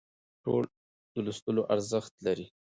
ټول د لوستلو ارزښت لري